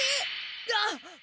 あっ！